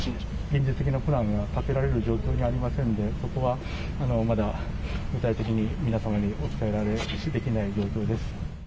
現実的なプランが立てられる状況にございませんので、そこはまだ、具体的に皆様にお伝えできない状況です。